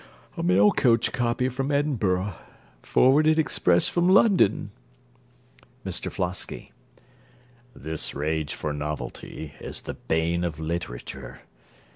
A mail coach copy from Edinburgh, forwarded express from London. MR FLOSKY This rage for novelty is the bane of literature.